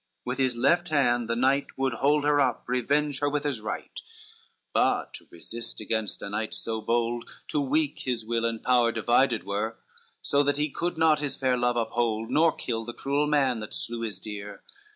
with his left hand the knight Would hold her up, revenge her with his right. XCVIII But to resist against a knight so bold Too weak his will and power divided were; So that he could not his fair love uphold, Nor kill the cruel man that slew his dear.